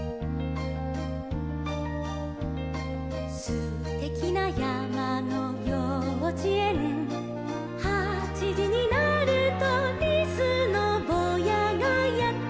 「すてきなやまのようちえん」「はちじになると」「リスのぼうやがやってきます」